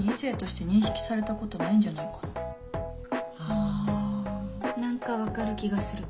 うん何か分かる気がする。